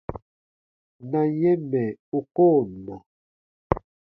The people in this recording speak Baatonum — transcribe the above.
Na yɛ̃ mɛ̀ u koo na.